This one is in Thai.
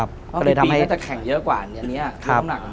เพราะว่าปีก็จะแข่งเยอะกว่าอันนี้อ่ะ